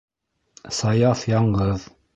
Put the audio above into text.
Саяф яңғыҙ.